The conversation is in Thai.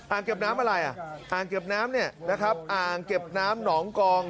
เก็บน้ำอะไรอ่ะอ่างเก็บน้ำเนี่ยนะครับอ่างเก็บน้ำหนองกอง